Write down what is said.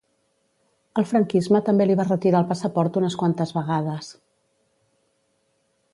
El franquisme també li va retirar el passaport unes quantes vegades.